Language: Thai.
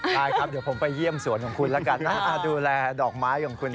ใช่ครับเดี๋ยวผมไปเยี่ยมสวนของคุณแล้วกันนะดูแลดอกไม้ของคุณ